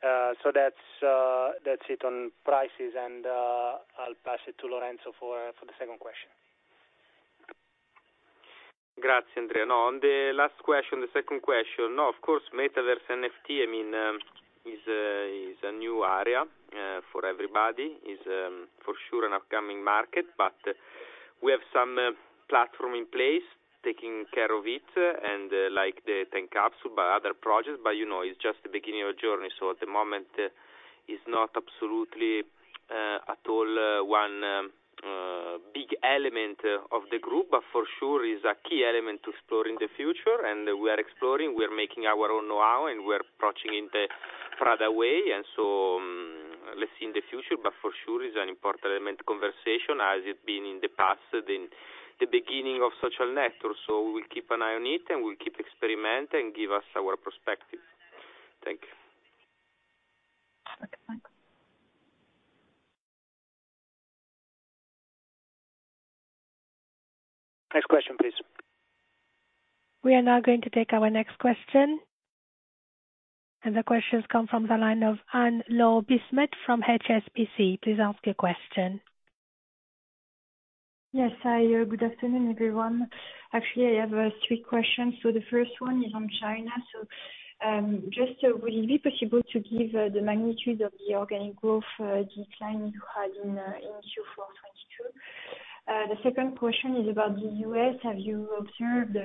B: That's it on prices, I'll pass it to Lorenzo for the second question.
D: Grazie, Andrea. On the last question, the second question, of course, Metaverse NFT, I mean, is a new area for everybody. Is for sure an upcoming market, but we have some platform in place taking care of it, and like the Tank Capsule, but other projects. You know, it's just the beginning of a journey. At the moment, it's not absolutely at all one big element of the group, but for sure is a key element to explore in the future. We are exploring, we're making our own know-how, and we're approaching in the Prada way. Let's see in the future, but for sure is an important element of conversation as it's been in the past in the beginning of social networks. We'll keep an eye on it, and we'll keep experimenting, and give us our perspective. Thank you.
I: Okay, thanks.
B: Next question, please.
A: We are now going to take our next question. The question's come from the line of Anne-Laure Bismuth from HSBC. Please ask your question.
J: Yes. Hi. Good afternoon, everyone. Actually, I have three questions. The first one is on China. Just will it be possible to give the magnitude of the organic growth decline you had in Q4 2022? The second question is about the U.S. Have you observed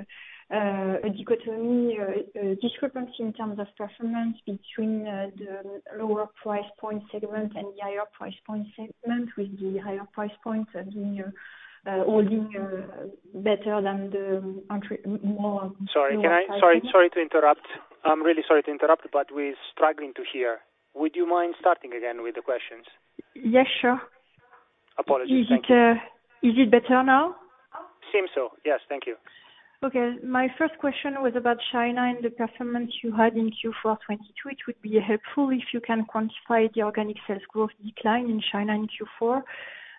J: a dichotomy or a discrepancy in terms of performance between the lower price point segment and the higher price point segment, with the higher price points being holding better than the entry...
B: Sorry to interrupt. I'm really sorry to interrupt. We're struggling to hear. Would you mind starting again with the questions?
J: Yes, sure.
B: Apologies. Thank you.
J: Is it, is it better now?
B: Seems so. Yes. Thank you.
J: Okay. My first question was about China and the performance you had in Q4 2022. It would be helpful if you can quantify the organic sales growth decline in China in Q4.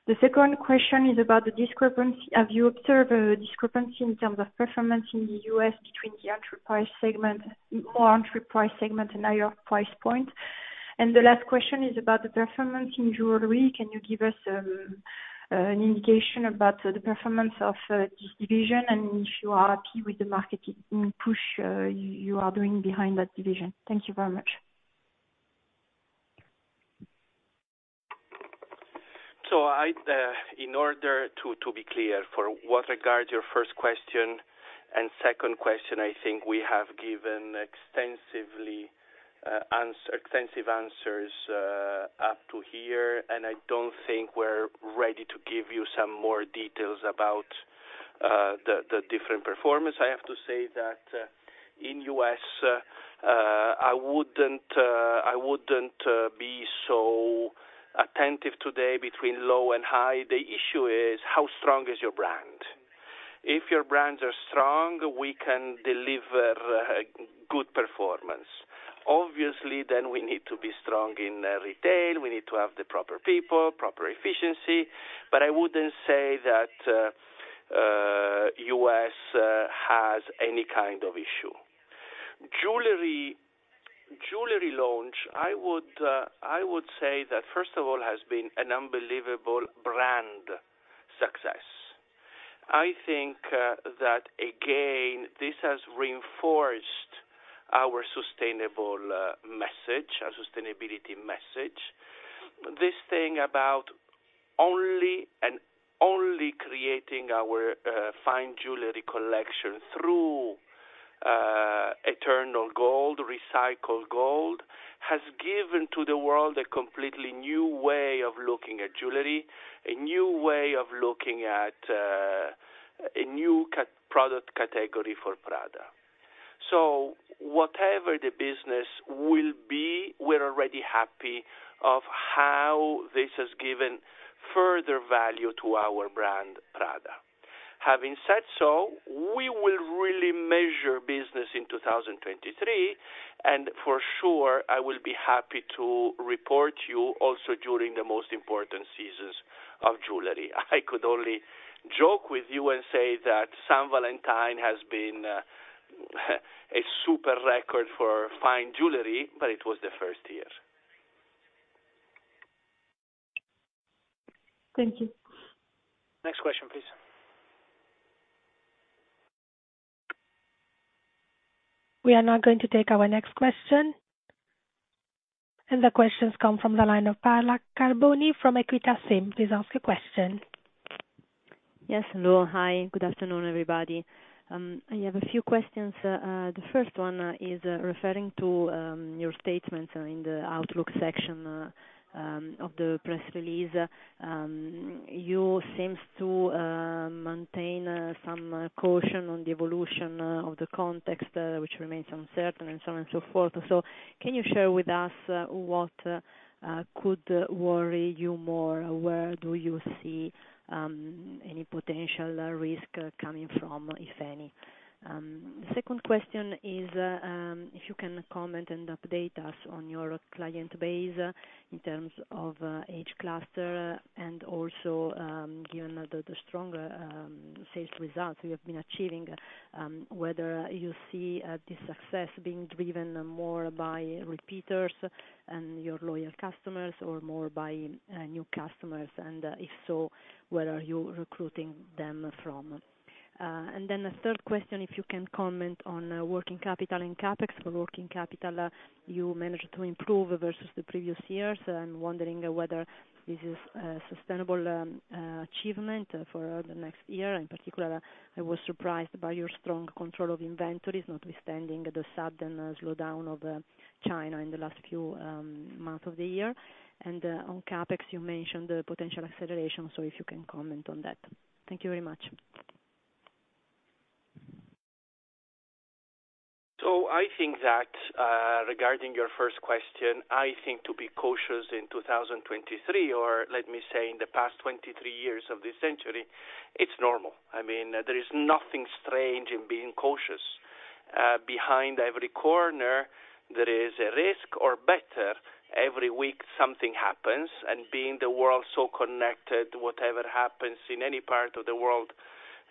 J: The second question is about the discrepancy. Have you observed a discrepancy in terms of performance in the U.S. between the entry price segment and higher price point? The last question is about the performance in jewelry. Can you give us an indication about the performance of this division and if you are happy with the market push you are doing behind that division? Thank you very much.
E: In order to be clear, for what regards your first question and second question, I think we have given extensively extensive answers up to here, and I don't think we're ready to give you some more details about the different performance. I have to say that in U.S., I wouldn't, I wouldn't be so attentive today between low and high. The issue is how strong is your brand. If your brands are strong, we can deliver good performance. Obviously, then we need to be strong in retail. We need to have the proper people, proper efficiency. But I wouldn't say that U.S. has any kind of issue. Jewelry launch, I would, I would say that first of all has been an unbelievable brand success. I think that again, this has reinforced our sustainable message, our sustainability message. This thing about only and only creating our fine jewelry collection through Eternal Gold, recycled gold, has given to the world a completely new way of looking at jewelry, a new way of looking at a new product category for Prada. Whatever the business will be, we're already happy of how this has given further value to our brand, Prada. Having said so, we will really measure business in 2023, for sure I will be happy to report you also during the most important seasons of jewelry. I could only joke with you and say that St. Valentine has been a super record for fine jewelry, it was the first year.
J: Thank you.
E: Next question, please.
A: We are now going to take our next question. The questions come from the line of Paola Carboni from Equita SIM. Please ask your question.
K: Yes, hello. Hi, good afternoon, everybody. I have a few questions. The first one is referring to your statement in the outlook section of the press release. You seems to maintain some caution on the evolution of the context which remains uncertain and so on and so forth. Can you share with us what could worry you more? Where do you see any potential risk coming from, if any? The second question is if you can comment and update us on your client base in terms of age cluster and also given the stronger sales results you have been achieving whether you see this success being driven more by repeaters and your loyal customers or more by new customers. If so, where are you recruiting them from? A third question, if you can comment on working capital and CapEx. For working capital, you managed to improve versus the previous years. I'm wondering whether this is a sustainable achievement for the next year. In particular, I was surprised by your strong control of inventories, notwithstanding the sudden slowdown of China in the last few months of the year. On CapEx, you mentioned potential acceleration, if you can comment on that. Thank you very much.
E: I think that, regarding your first question, I think to be cautious in 2023, or let me say in the past 23 years of this century, it's normal. I mean, there is nothing strange in being cautious. Behind every corner there is a risk or better, every week something happens, and being the world so connected, whatever happens in any part of the world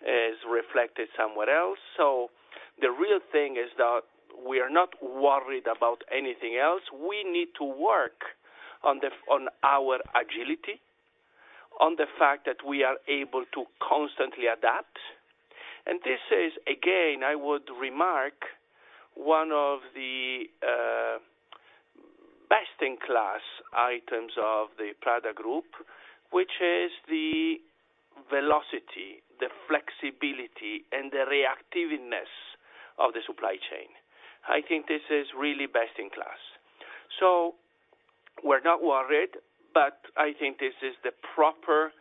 E: is reflected somewhere else. The real thing is that we are not worried about anything else. We need to work on the, on our agility, on the fact that we are able to constantly adapt. This is, again, I would remark, one of the best-in-class items of the Prada Group, which is the velocity, the flexibility and the reactiveness of the supply chain. I think this is really best in class. We're not worried, but I think this is the proper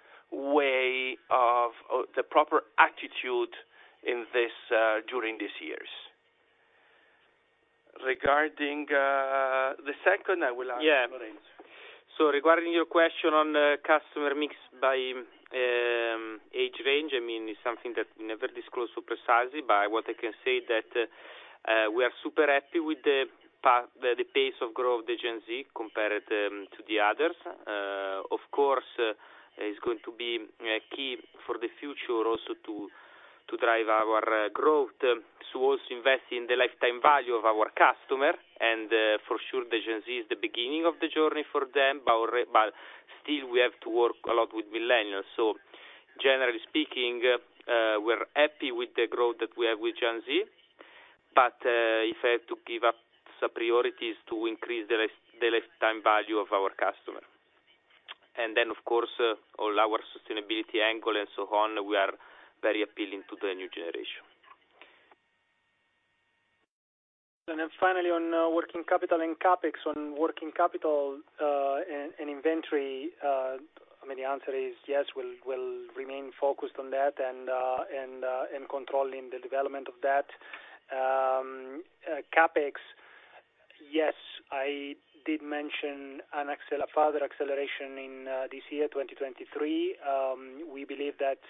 E: attitude in this, during these years. Regarding, the second, I will ask Lorenzo.
D: Yeah. Regarding your question on the customer mix by age range, I mean, it's something that we never disclose so precisely, but what I can say that we are super happy with the pace of growth of the Gen Z compared to the others. Of course, it's going to be key for the future also to drive our growth. Also invest in the lifetime value of our customer. For sure, the Gen Z is the beginning of the journey for them, but still we have to work a lot with millennials. Generally speaking, we're happy with the growth that we have with Gen Z, but if I have to give up some priorities to increase the lifetime value of our customer. Of course, all our sustainability angle and so on, we are very appealing to the new generation.
E: Finally, on working capital and CapEx. On working capital, and inventory, I mean, the answer is yes. We'll remain focused on that and controlling the development of that. CapEx, yes, I did mention a further acceleration in this year, 2023. We believe that,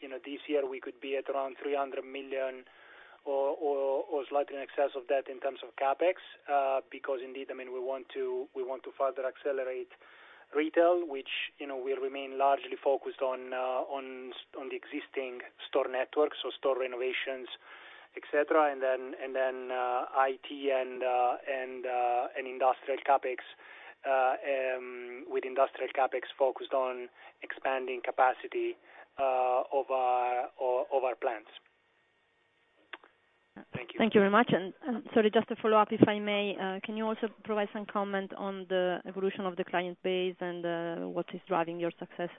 E: you know, this year we could be at around 300 million or slightly in excess of that in terms of CapEx, because indeed, I mean, we want to further accelerate retail, which, you know, will remain largely focused on the existing store network, so store renovations, et cetera. IT and industrial CapEx, with industrial CapEx focused on expanding capacity of our plans. Thank you.
K: Thank you very much. Sorry, just to follow up, if I may, can you also provide some comment on the evolution of the client base and, what is driving your success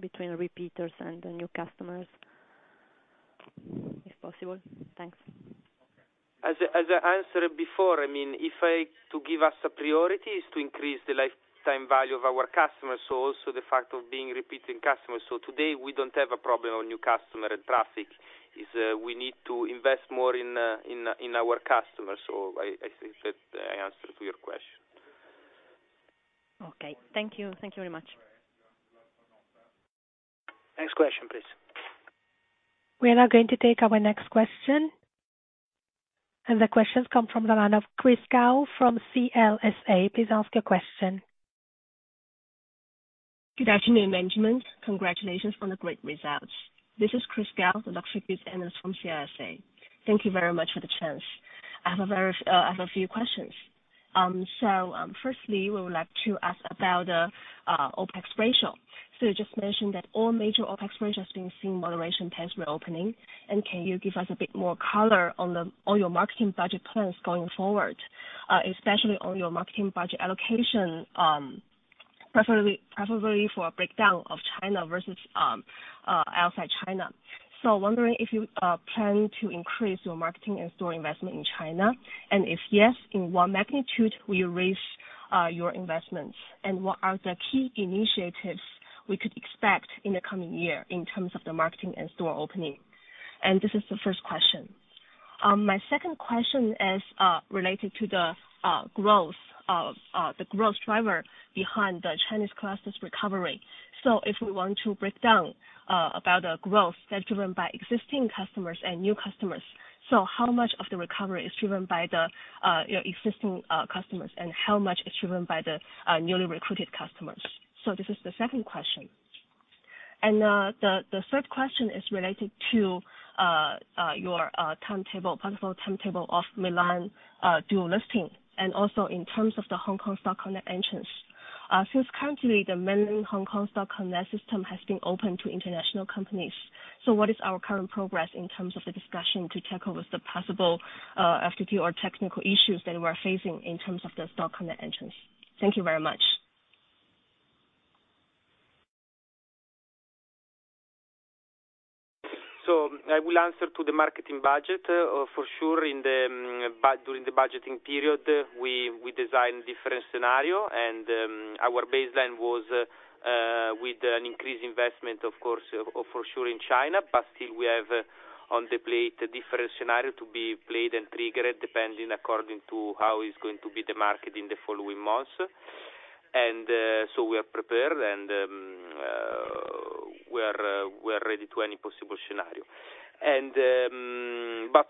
K: between repeaters and the new customers, if possible? Thanks.
D: As I answered before, I mean, if I to give us a priority is to increase the lifetime value of our customers, so also the fact of being repeating customers. Today, we don't have a problem on new customer and traffic. We need to invest more in our customers. I think that I answered to your question.
K: Okay. Thank you. Thank you very much.
D: Next question, please.
A: We are now going to take our next question. The question comes from the line of Chris Gao from CLSA. Please ask your question.
L: Good afternoon, management. Congratulations on the great results. This is Chris Gao, the luxury goods analyst from CLSA. Thank you very much for the chance. I have a few questions. Firstly, we would like to ask about the OpEx ratio. You just mentioned that all major OpEx ratios have been seeing moderation trends reopening. Can you give us a bit more color on your marketing budget plans going forward, especially on your marketing budget allocation, preferably for a breakdown of China versus outside China. Wondering if you plan to increase your marketing and store investment in China, and if yes, in what magnitude will you raise your investments? What are the key initiatives we could expect in the coming year in terms of the marketing and store opening? This is the first question. My second question is related to the growth of the growth driver behind the Chinese classes recovery. If we want to break down about the growth that's driven by existing customers and new customers. How much of the recovery is driven by your existing customers, and how much is driven by the newly recruited customers? This is the second question. The third question is related to your timetable, possible timetable of Milan dual listing, and also in terms of the Hong Kong Stock Connect entrance. Since currently the mainland Hong Kong Stock Connect system has been open to international companies. What is our current progress in terms of the discussion to tackle with the possible FTC or technical issues that we're facing in terms of the Stock Connect entrance? Thank you very much.
D: I will answer to the marketing budget. For sure during the budgeting period, we designed different scenario, and our baseline was with an increased investment, of course, for sure in China, but still we have on the plate a different scenario to be played and triggered depending according to how it's going to be the market in the following months. We are prepared and we are ready to any possible scenario.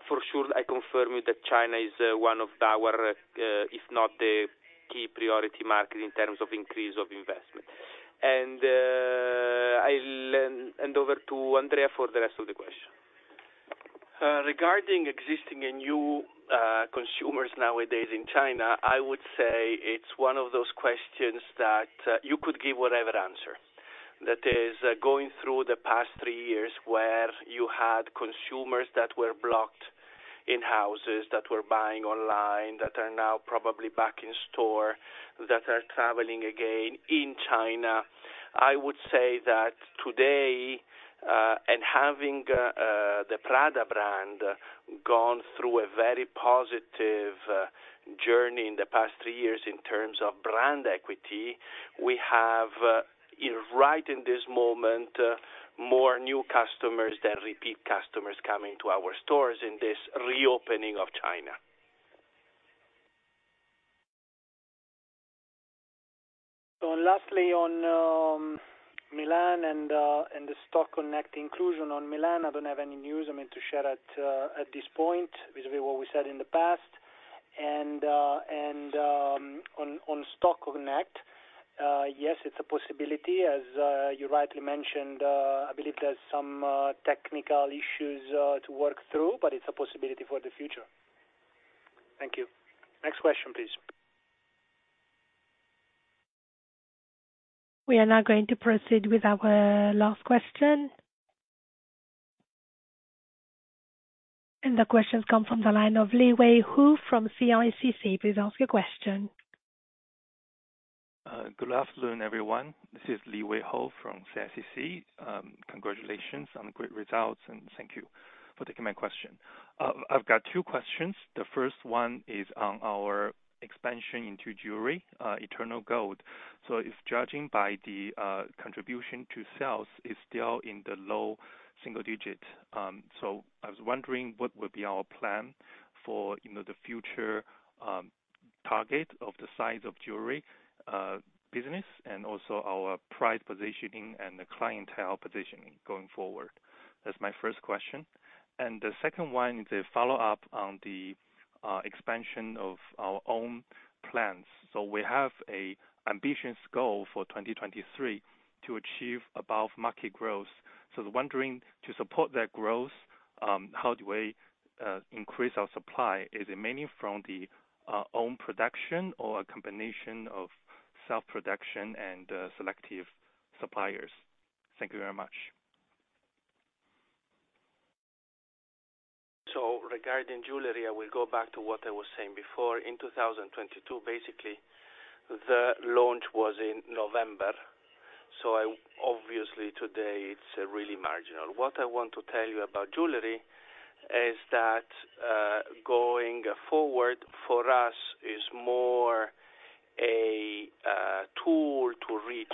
D: For sure, I confirm that China is one of our, if not the key priority market in terms of increase of investment. I'll hand over to Andrea for the rest of the question.
E: Regarding existing and new consumers nowadays in China, I would say it's one of those questions that you could give whatever answer. Going through the past three years where you had consumers that were blocked in houses, that were buying online, that are now probably back in store, that are traveling again in China. I would say that today, and having the Prada brand gone through a very positive journey in the past three years in terms of brand equity, we have right in this moment more new customers than repeat customers coming to our stores in this reopening of China. Lastly, on Milan and the Stock Connect inclusion. On Milan, I don't have any news I mean, to share at this point vis-a-vis what we said in the past. On Stock Connect, yes, it's a possibility. As you rightly mentioned, I believe there's some technical issues to work through, but it's a possibility for the future.
D: Thank you. Next question, please.
A: We are now going to proceed with our last question. The question comes from the line of Liwei Hou from CICC. Please ask your question.
M: Good afternoon, everyone. This is Liwei Hou from CICC. Congratulations on great results, thank you for taking my question. I've got two questions. The first one is on our expansion into jewelry, Eternal Gold. If judging by the contribution to sales, it's still in the low single digit. I was wondering what would be our plan for, you know, the future target of the size of jewelry business and also our price positioning and the clientele positioning going forward. That's my first question. The second one is a follow-up on the expansion of our own plans. We have a ambitious goal for 2023 to achieve above-market growth. I was wondering, to support that growth, how do we increase our supply? Is it mainly from the own production or a combination of self-production and selective suppliers? Thank you very much.
E: Regarding jewelry, I will go back to what I was saying before. In 2022, basically, the launch was in November, obviously today it's really marginal. What I want to tell you about jewelry is that going forward for us is more a tool to reach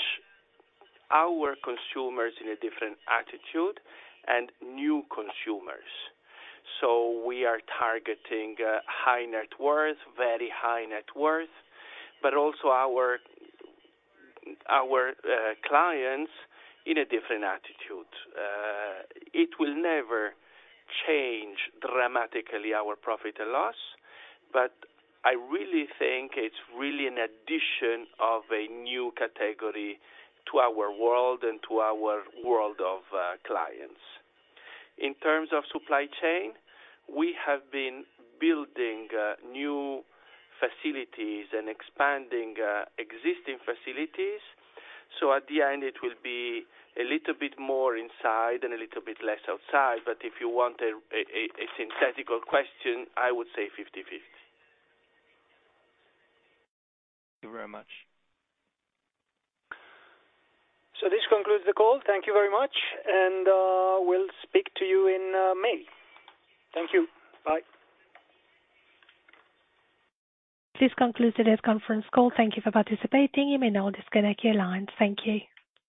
E: our consumers in a different attitude and new consumers. We are targeting high net worth, very high net worth, but also our clients in a different attitude. It will never change dramatically our profit and loss, but I really think it's really an addition of a new category to our world and to our world of clients. In terms of supply chain, we have been building new facilities and expanding existing facilities. At the end, it will be a little bit more inside and a little bit less outside. If you want a synthetic question, I would say 50/50.
M: Thank you very much.
D: This concludes the call. Thank you very much. We'll speak to you in May. Thank you. Bye.
A: This concludes today's conference call. Thank you for participating. You may now disconnect your line. Thank you.